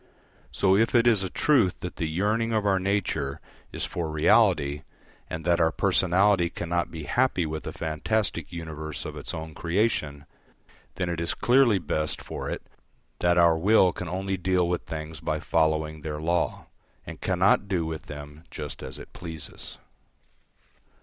So, if it is a truth that the yearning of our nature is for reality, and that our personality cannot be happy with a fantastic universe of its own creation, then it is clearly best for it that our will can only deal with things by following their law, and cannot do with them just as it pleases.